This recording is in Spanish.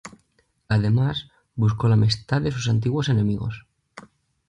Además, buscó la amistad de sus antiguos enemigos.